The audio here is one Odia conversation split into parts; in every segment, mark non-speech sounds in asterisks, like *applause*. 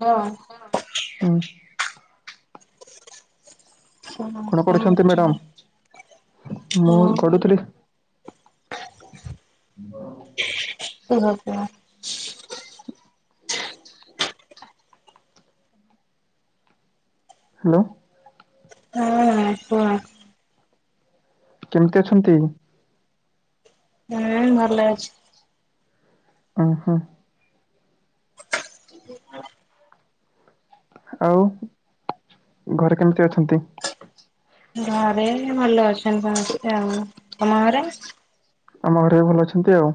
ହଁ ହଁ କଣ ଭଲ କରୁଛନ୍ତି ଅଛି। ମ୍ୟାଡାମ୍? ମୁଁ ଗଡ଼ୁଥିଲି। *inaudible* *inaudible* ହାଲୋ ହଁ କୁହ କେମିତି ଅଛନ୍ତି? ହୁଁ ଭଲ ଅଛି। ଓ ହୋ। *inaudible* ଆଉ ଘରେ କେମିତି ଅଛନ୍ତି? ଘରେ ଭଲ ଅଛନ୍ତି କଣ ଆଉ ତମ ଘରେ? ଆମ ଘରେ ବି ଭଲ ଅଛନ୍ତି ଆଉ।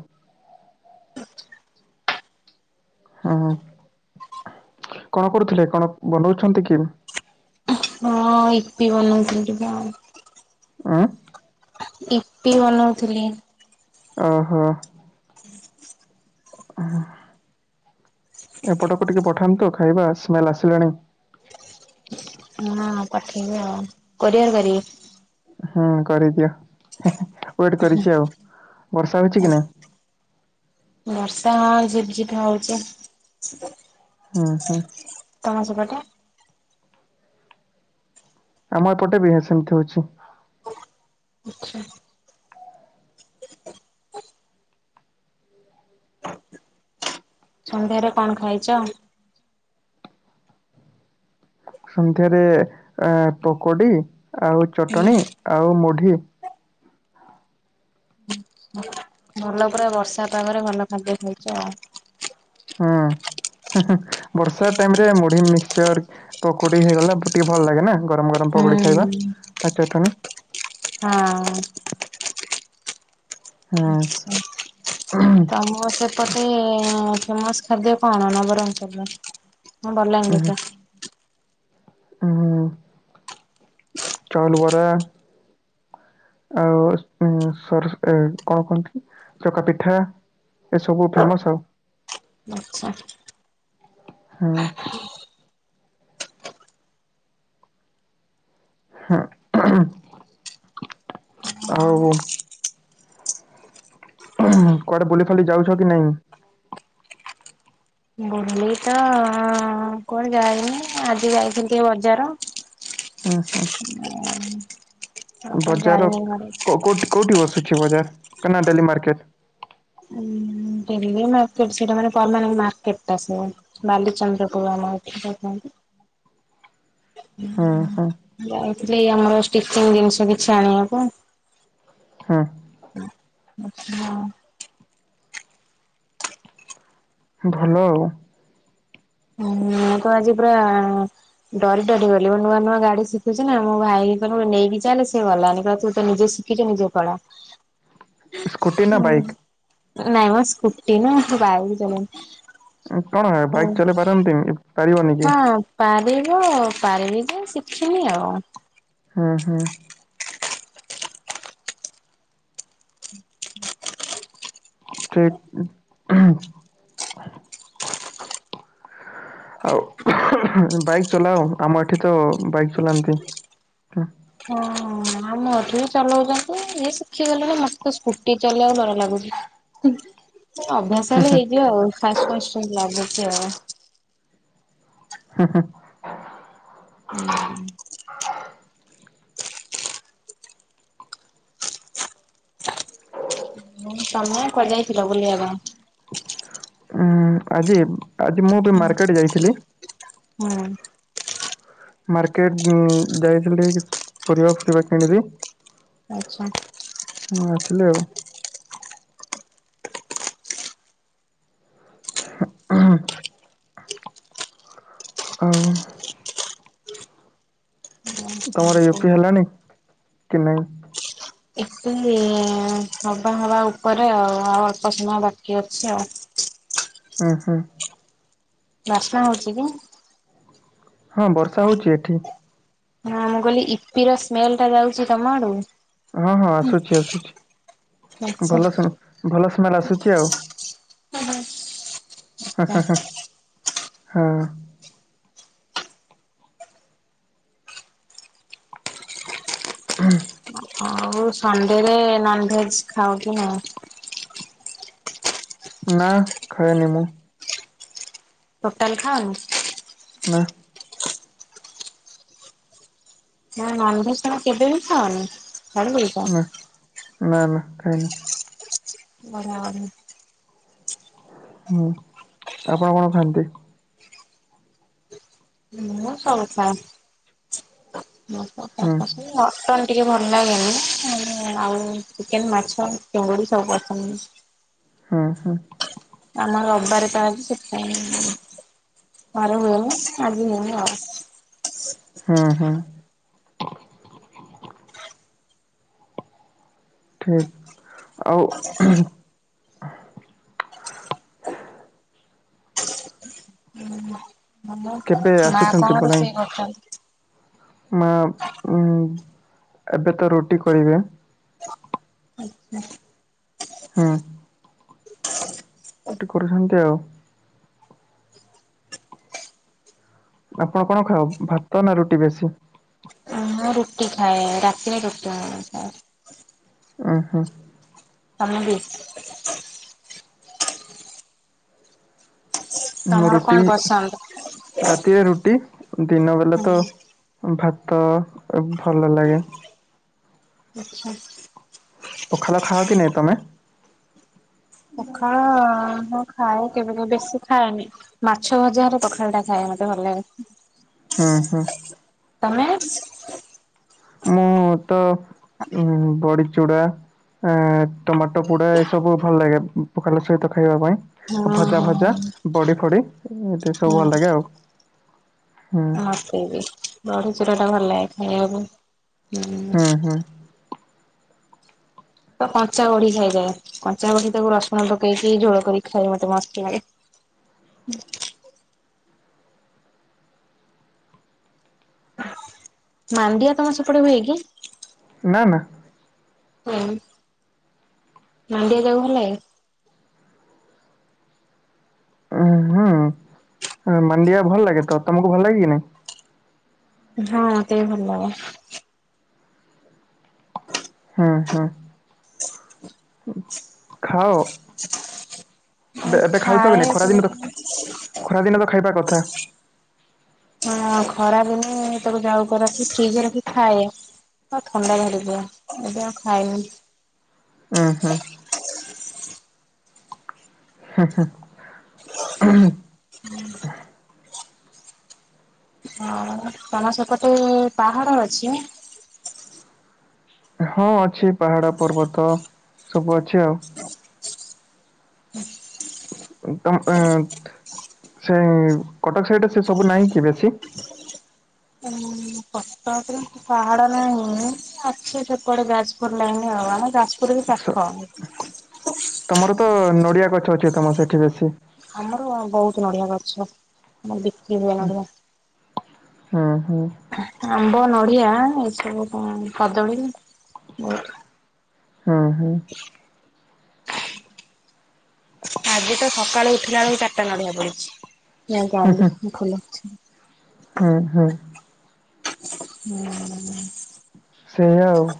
*unintelligible* ହଁ କଣ କରୁଥିଲେ କଣ ବନଉଛନ୍ତି କି? ହଁ ଇପି ବନଉ ଥିଲି ତ ଆଉ ଆଁ। ଇପି ବନଉଥିଲି। ଓ ହୋ *inaudible* ଏପଟକୁ ଟିକେ ପଠାନ୍ତୁ ଖାଇବା ସ୍ମେଲ ଆସିଲାଣି। ହଁ ପଠେଇବି ଆଉ କରିଅର୍ କରିବି। ହୁଁ କରିଦିଅ ୱେଟ୍ କରିଛି ଆଉ ବର୍ଷା ହଉଛି କି ନାଇଁ। ବର୍ଷା ଆ ଝିପ୍ ଝିପ୍ ହଉଚି। ହୁଁ ହୁଁ। ତମ ସେପଟେ ଆମ ଏପଟେ ବି ସେମିତି ହଉଛି। ଆଚ୍ଛା। ସନ୍ଧ୍ୟାରେ କଣ ଖାଇଛ? ସନ୍ଧ୍ୟାରେ ପକୋଡ଼ି ଆଉ ଚଟଣି ଆଉ ମୁଢ଼ି। ଭଲ ପୁରା ବର୍ଷା ପାାଗରେ ଭଲ ଖାଦ୍ୟ ଖାଇଛ ଆଉ। ହଁ। ବର୍ଷା ଟାଇମ ରେ ମୁଢି ମିକ୍ସଚର ପକୋଡି ହେଇଗଲା ଟିକେ ଭଲ ଲାଗେ ନା ଗରମ୍ ଗରମ। ଆରମ ପକଡ଼ି ଖାଇବା ହୁଁ ଆଉ ଚଟଣି। ଆଁଉଁ ହୁଁ *unintelligible* ତମର ସେପଟେ ଫେମସ୍ ଖାଦ୍ୟ କଣ ନବରଙ୍ଗପୁରରେ। ହଁ ବଲଙ୍ଗୀଧ ଓ ଚାଉଲ୍ ବରା ଆଉ ଉ ସର କଣ କୁହନ୍ତି ଚକା ପିଠା ଏ ସବୁ ଫେମସ *inaudible* ହଁ। ହଁ। ଆଉ କୁଆଡେ ବୁଲି ଫାଲି ଯାଉଛ କି ନାଇଁ? ବୁଲି ତ କୁଆଡେ ଯାାଇନି ଆଜି ଯାଇଥିଲି ଟିକେ ବଜାର। ଆଉ ହୁଁ କକୁଆଡେ ଯାଇନି ଘରେ। କଉଠି ବସୁଛି ବଜାର *unintelligible* ଡେଲି ମାର୍କେଟ। ଡେଲି ମାର୍କେଟ ସେଇଟା ମାନେ ପରମାନେଟ୍ ମାର୍କେଟ ଟା ସେ। ବାଲିଚନ୍ଦ୍ର ପୁର ଆମଠ ହଁ ହଁ। ଯାଇଥିଲି ଆମର ଷ୍ଟିଚିଙ୍ଗ ଜିନିଷ କିଛି ଆଣିବାକୁ। ହଁ। ଆଛା। ଭଲ ଆଉ। ହୁଁ ମୁଁ ତ ଆଜି ପୁରା ଡରି ଡରି ଗଲି ମୁଁ ନୂଆ ନୂଆ ଗାଡି ଶିଖୁଛିି ନା ମୋ ଭାଇ *unintelligible* ନେଇକି ଚାଲେ ସେ ଗଲାନି କହିଲା ତୁ ତ ନିଜେ ଶିଖ ଖିଜୁ ନିଜେ ପଳା ସ୍କୁଟି ନା ହଁ ବାଇକ୍? ନାଇଁ ମୋ ସ୍କୁଟି ନା ମୁଁ ବାଇକ ଚଲାଏନି। କଣ ହେ ବାଇକ ଚଲେଇ ପାରନ୍ତି ପାରିବନି କି? ହଁ ପାରିବ ପାରିବି ଯେ ଶିଖିନି ଆଉ। ହଁ ହଁ। ହଁ। *inaudible* ଆଉ ବାଇକ୍ ଚଲାଅ ଆମ ଏଠି ତ ବାଇକ୍ ଚଲାନ୍ତି। ହଁ ଆମ ଏଠି ବି ଚଲଉଛନ୍ତି ଯିଏ ଶିଖିଗଲେଣି ମତେ ସ୍କୁଟି ଚଲେଇବାକୁ ଡର ଲାଗୁଛି। ଅଭ୍ୟାସ ହେଲେ ହେଇଯିବ ଆଉ ଫାଷ୍ଟ ଫାଷ୍ଟ ଲାଗୁଚି ଆଉ। *inaudible* *inaudible* ତମେ କୁଆଡେ ଯାଇଥିଲ ବୁଲିବା ପାଇଁ? ଉଁ ଆଜି ଆଜି ମୁଁ ବି ହୁଁ ମାର୍କେଟ ଯାଇଥିଲି। ହୁଁ। ମାର୍କେଟ ଉଁ ଯାଇଥିଲି ପରିବା ଫୁରିବା କିଣିଲି। ଆଛା। ହଁ ଆସିଲି ଆଉ। *inaudible* ଆଉ। ତମର ଏପି ହେଲାନି କି ନାଇଁ? ଇପି ହବା ହବା ଉପରେ ଆଉ ଆଉ ଅଳ୍ପ ସମୟ ବାକି ଅଛି ଆଉ। ହୁଁ ହୁଁ। ବାସ୍ନା ହଉଛି କି? ହଁ ବର୍ଷା ହଉଛି ଏଠି। ହଁ ମୁଁ କହିଲି ଇପିର ସ୍ମେଲ ଟା ଯାଉଛି ତମ ଆଡୁ। ହଁ ହଁ ଆସୁଛି ଆସୁଛି ଆଛା। ଭଲ ସେ ଭଲ ସ୍ମେଲ ଆସୁଛି ଆଉ। *inaudible* ହଁ। *inaudible* ଆଉ ସଣ୍ଡେରେ ନନଭେଜ୍ ଖାଅ କି ନାଇ? ନା ଖାଏନି ମୁଁ। ଟୋଟାଲ ଖାଅନି। ନା। ନନଭେଜ୍ ତମେ କେବେ ବି ଖାଅନି ଛାଡିଦେଇଛ। ନା ନା ନା ଖାଏନି। ବଢିଆ ହୁଁ ଆପଣ କଣ ଖାଆନ୍ତି? ମୁଁ ସବୁ ଖାଏ *unintelligible* ହୁଁ ମଟନ ଟିକେ ଭଲ ଲାଗେନି ଆଉ ଚିକେନ, ମାଛ, ଚିଙ୍ଗୁଡ଼ି ସବୁ ପସନ୍ଦ। ହଁ ହଁ। ଆମ ରବିବାର ତ ଆଜି ସେଥିପାଇଁ ଘର ହୁଏନି ଆଜି ହେଇନି ଆଉ। ହଁ ହଁ। ଠିକ ଆଉ ହୁଁ ହୁଁ କେବେ ମା ଆସୁଛନ୍ତି କଣ ରୋଷେଇ ବଲାଙ୍ଗୀ କରିଛନ୍ତି? ମା ଉଁ ଏବେ ତ ରୁଟି କରିବେ। ଆଚ୍ଛା। ହଁ। ରୁଟି କରୁଛନ୍ତି ଆଉ ଆପଣ କଣ ଖାଅ ଭାତ ନା ରୁଟି ବେଶୀ? ମୁଁ ରୁଟି ଖାଏ ରାତିରେ ରୁଟି ମୋର ଖାଏ। ଓହୋ। ତମେବି ମୁଁ ତମର କଣ ରୁଟି ପସନ୍ଦ? ରାତିରେ ରୁଟି ଦିନ ବେଲ ତ ହୁଁ ଭାତ ଅଭଲ ଲାଗେ। ଆଚ୍ଛା। ପଖାଳ ଖାଅ କି ନାହିଁ ତମେ? ପଖାଳ ହଁ ଖାଏ କେବେ କେବେ ବେଶି ଖାଏନି। ମାଛ ଭଜା ହେଲେ ପଖାଳଟା ଖାଏ ମତେ ଭଲ ଲାଗେ। ହଁ ହଁ। ତମେ? ମୁଁ ତ ଉ ବଡିଚୁଡା। ଏ ଟମାଟୋ ପୋଡ଼ା ଏ ସବୁ ଭଲ ଲାଗେ ପଖାଲ ସହିତ ଖାଇବା ହଁ ପାଇଁ। ଭଜା ହଁ। ଫଜା ବଡି ଫଡି ଏଠି ସବୁ ହୁଁ ଭଲ ଲାଗେ ଆଉ ହୁଁ। ମୋତେ ବି ବଢିଚୂରାଟା ଭଲ ଲାଗେ ଖାଇବାକୁ ହୁଁ। ତ କଞ୍ଚା ବଢି ଖାଇଯାଏ କଞ୍ଚା ବଢିତାକୁ ରସୁଣ ପକେଇକି ଝୋଳ କରିକି ଖାଇବା ମତେ ମସ୍ତ ଲାଗେ। *inaudible* ମାଣ୍ଡିଆ ତମ ସେପଟେ ହୁଏ କି? ନା ନା। ହୁଁ ମାଣ୍ଡିଆ ଯାଉ ଭଲ ଲାଗେ। ଉଁ ହଁ ମାଣ୍ଡିଆ ଭଲ ଲାଗେ ତ ତମକୁ ଭଲ ଲାଗେ କି ନାଇଁ? ହଁ ମତେ ବି ଭଲ ଲାଗେ। ହଁ ହଁ। *inaudible* ଖାଅ। ଏବେ ଖାଉଛ ଖାଏ କି ନାଇ ଖରାଦିନ ତ ଖରାଦିନ ତ ଖାଇବା କଥା। ହଁ ଖରା ଦିନେ ତାକୁ ଯାଉ କରନ୍ତି ଫ୍ରିଜରେ ରଖି ଖାଏ। ହଁ ଥଣ୍ଡା ହେଲେ ତ ଏବେ ଆଉ ଖାଇନି। ହଁ ହଁ। ହଁ ହଁ। *inaudible* ହଁ ତମ ସେପଟେ ପାହାଡ ଅଛି? ହଁ ଅଛି ପାହାଡ ପର୍ବତ ସବୁ ଅଛି ଆଉ ତମ ସେ କଟକ ସାଇଡରେ ନାହିଁ କି ସେ ସବୁ ବେଶୀ? କଟକରେ ପାହାଡ ନାହିଁ ଅଛି ସେପଟେ ଯାଜପୁର ଲାଇନି ଆମେ ଯାଜ ପୁରକୁ ସ ପାଖ ତମର ତ ନଡିଆ ଗଛ ଅଛି ତମର ସେଠି ବେଶୀ। ଆମର ବହୁତ ନଡିଆ ଗଛ। ମୁଁ ବିକିବି ନଡ଼ିଆ। ହୁଁ ହୁଁ ଆମ୍ବ, ନଡ଼ିଆ ଏସବୁ କଣ କଦଳୀ ହଁ ହୁଁ। ଆଜି ତ ସକାଳୁ ଉଠିଲା ବେଳକୁ ଚାରିଟା ନଡିଆ ପଡିଛି ଯାଇକି ଆାଣିଲି। ହୁଁ ହୁଁ। *inaudible* ସେୟା ଆଉ।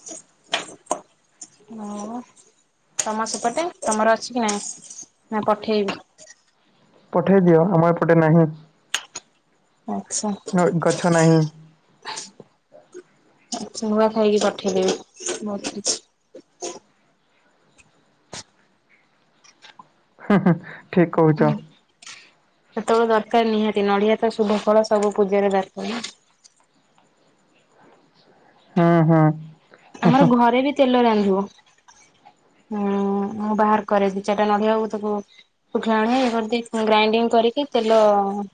*inaudible* ଆଉ ତମ ସେପଟେ ତମର ଅଛି କି ନାଇ? ନା ପଠେଇବି? ପଠାଇ ଦିଅ ଆମ ଏପଟେ ନାହିଁ। ଆଚ୍ଛା। ଗଛ ନାହିଁ। ନୂଆ ଖାଇକି ପଠେଇଦେବି ବହୁତ କିଛି। *inaudible* ସେତେବେଳେ ଦରକାର ନିହାତି ନଡ଼ିଆ ତ ଶୁଭ ଫଳ ସବୁ ପୂଜାରେ ଦରକାର ନା। ହଁ ହଁ। ଆମର ଘରେ ବି ତେଲ ରାନ୍ଧୁ। ହୁଁ ମୁଁ ବାହାର କରେ। ଦି ଚାରିଟା ନଡ଼ିଆ ଓ ତାକୁ ଶୁଖିଲା ନଡିଆ ଇଏ କରିଦେଇକି ଗ୍ରାଇଣ୍ଡିଙ୍ଗ କରିକି ତେଲ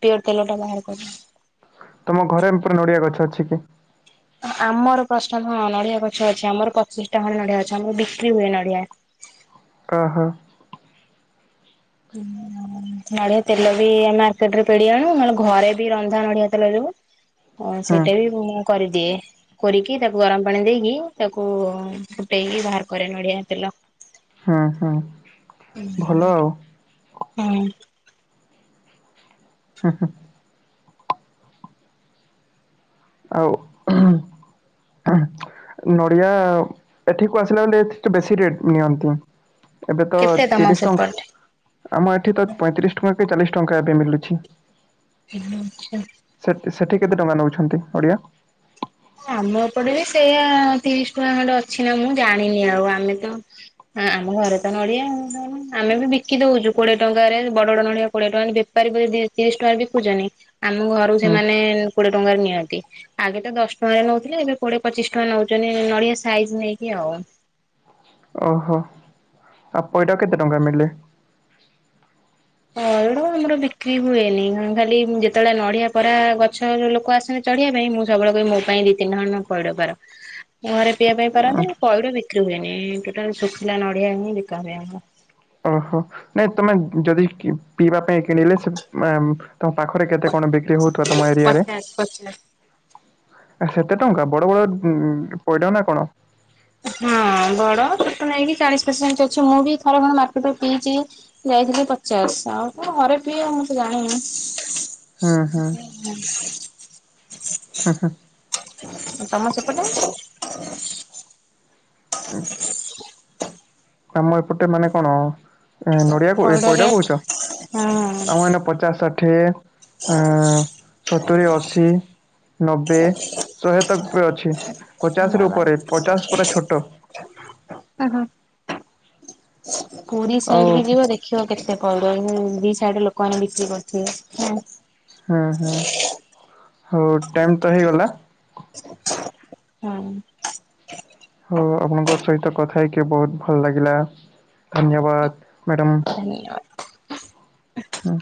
ପିଓର ତେଲ ଟା ବାହାର କରୁ। ତୁମ ଘରେ ପୁରା ନଡ଼ିଆ ଗଛ ଅଛି କି? ଆମର ପ୍ରଶ୍ନ ହଁ ନଡ଼ିଆ ଗଛ ଅଛି ଆମର ପଚିଶ ଟା ଖଣ୍ଡେ ନଡ଼ିଆ ଗଛ ଆମର ବିକ୍ରି ହୁଏ ନଡ଼ିଆ। ଓହୋଃ। *inaudible* ନଡ଼ିଆ ତେଲ ବି ମାର୍କେଟରୁ ପେଡ଼ି ଆଣୁ ନ ହେଲେ ଘରେ ବି ରନ୍ଧା ନଡ଼ିଆ ତେଲ। *unintelligible* ଓ ହୁଁ ସେଇଟା ବି ମୁଁ କରିଦିଏ। କରିକି ତାକୁ ଗରମ ପାଣି ଦେଇକି ତାକୁ ଫୁଟାଇକି ବାହାର କରେ ନଡ଼ିଆ ତେଲ। ଓହୋଃ। ହଁ। ହଁ ହଁ। ଆଉ ନଡ଼ିଆ ଏଠିକୁ ଆସିଲା ବେଳେ ଏଠି ବେଶୀ ରେଟ୍ ନିଅନ୍ତି। ଏବେ ତ କେତେ ତମ ତିରିଶ ଟଙ୍କା ସେପଟେ? ଆମ ଏଠି ତ ପଇଁତିରିଶ ଟଙ୍କା କି ଚାଳିଶ ଟଙ୍କା ଏବେ ମିଳୁଛି। ଆଚ୍ଛା। ସେ ସେଠି କେତେ ଟଙ୍କା ନେଉଛନ୍ତି ନଡ଼ିଆ? ଆମ ଏପଟେ ବି ସେଇୟା ତିରିଶ ଟଙ୍କା ଖଣ୍ଡେ ଅଛି ନା ମୁଁ ଜାଣିନି ଆଉ ଆମେ ତ ହଁ ଆମ ଘରେ ତ ନଡ଼ିଆ ଆମେ ବି ବିକି ଦଉଛୁ କୋଡ଼ିଏ ଟଙ୍କାରେ ବଡ଼ ବଡ଼ ନଡ଼ିଆ କୋଡିଏ ଟଙ୍କା *unintelligible* ତିରିଶ ଟଙ୍କାରେ ବି ବିକୁଛନ୍ତି। ଆମ ଘରକୁ ହୁଁ ସେମାନେ କୋଡ଼ିଏ ଟଙ୍କାରେ ନିଅନ୍ତି। ଆଗେ ତ ଦଶ ଟଙ୍କା ରେ ନେଉଥିଲେ ଏବେ କୋଡ଼ିଏ ପଚିଶି ଟଙ୍କା ନେଉଛନ୍ତି ନଡ଼ିଆ ସାଇଜ୍ ନେଇକି ଆଉ। ଓହୋଃ। ଆଉ ପଇଡ଼ କେତେ ଟଙ୍କା ନେଲେ? ପଇଡ଼ ଆମର ବିକ୍ରି ହୁଏନି ଖାଲି ଯେତେବେଳେ ନଡ଼ିଆ ପରା ଗଛ ଲୋକ ଆସନ୍ତି ଚଢ଼ିବା ପାଇଁ ମୁଁ ସବୁବେଳେ କହିବି ମୋ ପାଇଁ ଦି ତିନିଟା ଖଣ୍ଡେ ପଇଡ଼ ପାର। ଘରେ ପିଇବା ପାଇଁ ପାରନ୍ତି, ପଇଡ଼ ବିକ୍ରି ହୁଏନି ଟୋଟାଲ ଶୁଖିଲା ନଡ଼ିଆ ହିଁ ବିକା ହୁଏ ଆମର। ଓହୋଃ। ନାଇଁ ତମେ ଯଦି ପିଇବା ପାଇଁ କିଣିଲେ ସେ ତମ ପାଖରେ କେତେ କଣ ବିକ୍ରି ହଉଥିବା ତମ ଏରିଆରେ? ପଚାଶ ପଚାଶ। ସେତେ ଟଙ୍କା ବଡ଼ ବଡ଼ ପଇଡ଼ ନା କଣ? ହଁ ବଡ଼ ଛୋଟ ନେଇକି ଚାଳିଶ ପଚାଶ ଅଛି ମୁଁ ବି ଥରେ ଖଣ୍ଡେ ମାର୍କେଟରୁ ପିଇଛି। ଯାଇଥିଲି ପଚାଶ ଆଉ କଣ ଘରେ ପିଉ ମୁଁ ତ ଜାଣିନି। ହୁଁ ହୁଁ *unintelligible* ହଁ ହଁ। ତମ ସେପଟେ? ଆମ ଏପଟେ ମାନେ କଣ? ଏ ନଡିଆ କ ଏ ପଇଡ କହୁଚ ଆମ ହଁ ଏଇନେ ପଚାଶ ଷାଠିଏ ଅଁ ସତୁରି, ଅଶି, ନବେ, ଶହେ ତ ପୁଆ ଅଛି। ପଚାଶରୁ ବାବାରେ। ଉପରେ ପଚାଶ ପୁରା ଛୋଟ ଓହୋ ପୁରୀ ଆଉ ସାଇଡ୍ କି ଯିବ ଦେଖ ସ କେତେ କଲେଣି ଦି ସାଇଡରେ ଲୋକମାନେ ବିକ୍ରି କରୁଥିବେ ହୁଁ। ହଁ ହଁ ହଉ ଟାଇମ୍ ତ ହେଇଗଲା। ହଁ। ହଁ ଆପଣଙ୍କ ସହିତ କଥା ହେଇକି ବହୁତ ଭଲ ଲାଗିଲା ଧନ୍ୟବାଦ। ମ୍ୟାଡାମ ଧନ୍ୟବାଦ। ହଁ।